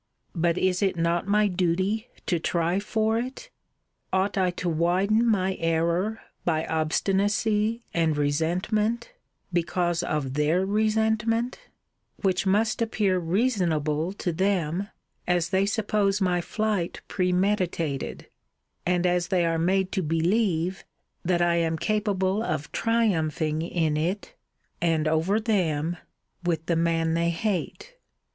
But is it not my duty to try for it? Ought I to widen my error by obstinacy and resentment, because of their resentment; which must appear reasonable to them, as they suppose my flight premeditated; and as they are made to believe, that I am capable of triumphing in it, and over them, with the man they hate?